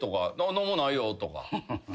「何もないよ」とか。